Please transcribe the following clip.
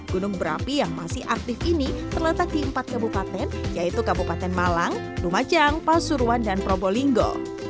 gunung berapi yang masih aktif ini terletak di empat kabupaten yaitu kabupaten malang lumajang pasuruan dan probolinggo